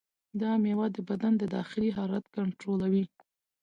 دا میوه د بدن د داخلي حرارت کنټرولوي.